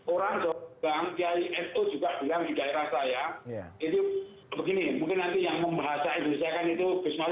orang bang di aiso juga bilang di daerah saya itu begini mungkin nanti yang membahasa indonesia kan itu bismillahirrahmanirrahim nanti lebih minta gitu